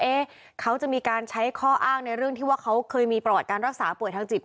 เขาจะมีการใช้ข้ออ้างในเรื่องที่ว่าเขาเคยมีประวัติการรักษาป่วยทางจิต